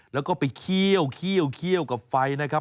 แล้วก็ไปเคี่ยวกับไฟนะครับ